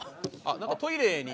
なんかトイレに。